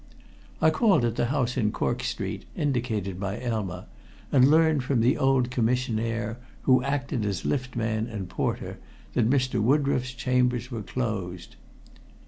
I called at the house in Cork Street indicated by Elma, and learned from the old commissionaire who acted as lift man and porter, that Mr. Woodroffe's chambers were closed.